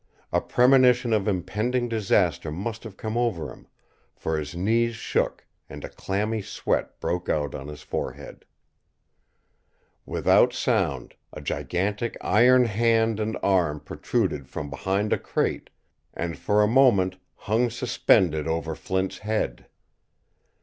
A premonition of impending disaster must have come over him, for his knees shook and a clammy sweat broke out on his forehead. Without sound a gigantic iron hand and arm protruded from behind a crate and, for a moment, hung suspended over Flint's head.